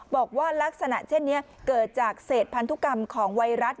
บอกว่าลักษณะเช่นนี้เกิดจากเศษพันธุกรรมของไวรัส